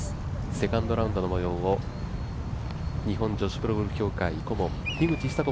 セカンドラウンドの模様を日本女子プロゴルフ協会顧問樋口久子